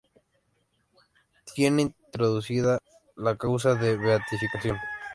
Tiene introducida la causa de beatificación.